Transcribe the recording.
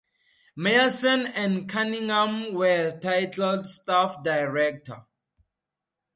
Meyerson and Cunningham were titled "Staff Director".